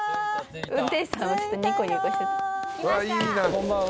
こんばんは。